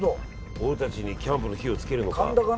俺たちにキャンプの火をつけるのか。